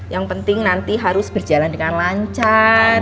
yang penting nanti harus berjalan dengan lancar